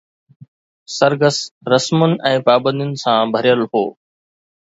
سرگس رسمن ۽ پابندين سان ڀريل هو